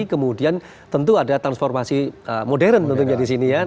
kemudian tentu ada transformasi modern tentunya di sini ya